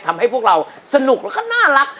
พวกเราสนุกแล้วก็น่ารัก